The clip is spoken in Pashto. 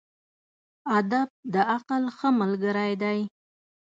ادب د عقل ښه ملګری دی.